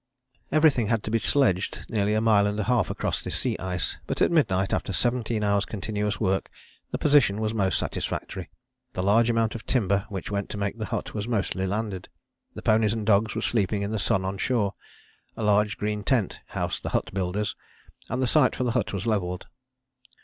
" Everything had to be sledged nearly a mile and a half across the sea ice, but at midnight, after seventeen hours' continuous work, the position was most satisfactory. The large amount of timber which went to make the hut was mostly landed. The ponies and dogs were sleeping in the sun on shore. A large green tent housed the hut builders, and the site for the hut was levelled.